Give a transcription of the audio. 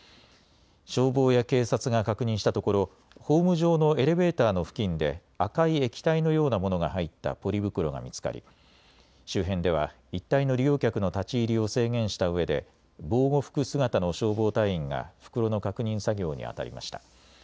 消防や警察が確認したところホーム上のエレベーターの付近で赤い液体のようなものが入ったポリ袋が見つかり周辺では一帯の利用客の立ち入りを制限したうえで防護服姿の消防隊員が袋の確認作業にあたりました。